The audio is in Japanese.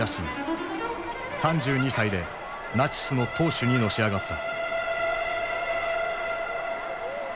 ３２歳でナチスの党首にのし上がった。